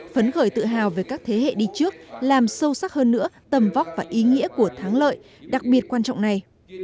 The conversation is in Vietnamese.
phấn khởi tự hào về các thế hệ đi trước làm sâu sắc hơn nữa tầm vóc và ý nghĩa của thắng lợi đặc biệt quan trọng này